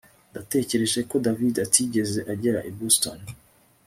Natekereje ko David atigeze agera i Boston